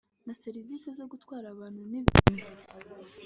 na serivisi zo gutwara abantu n’ibintu”